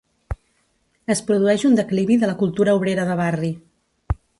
Es produeix un declivi de la cultura obrera de barri.